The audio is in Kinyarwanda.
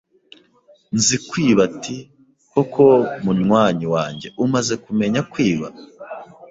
Nzikwiba ati Koko munywanyi wanjye umaze kumenya kwiba